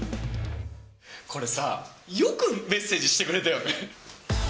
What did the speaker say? これさ、よくメッセージしてくれたよね。